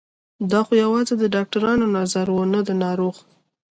خو دا يوازې د ډاکترانو نظر و نه د ناروغ.